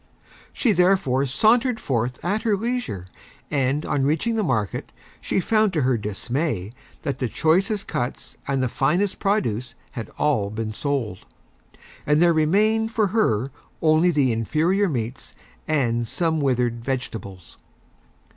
She therefore Sauntered Forth at her Leisure, and on reaching the Market she found to her Dismay that the Choicest Cuts and the Finest Produce had All been Sold, and there remained for her only the Inferior Meats and Some Withered Vegetables.